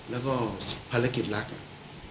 แล้วก็ภารกิจลักษณ์